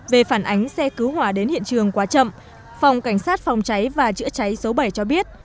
về phản ánh xe cứu hỏa đến hiện trường quá chậm phòng cảnh sát phòng cháy và chữa cháy số bảy cho biết